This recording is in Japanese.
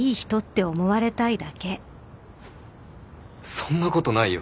そんなことないよ。